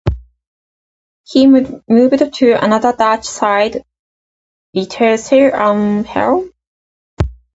He moved to another Dutch side, Vitesse Arnhem.